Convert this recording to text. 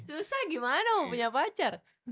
susah gimana mau punya pacar